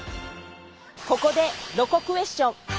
ここでロコクエスチョン！